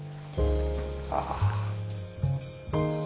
ああ。